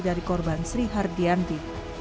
dari korban sri hardianti